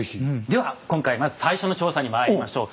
では今回まず最初の調査にまいりましょう。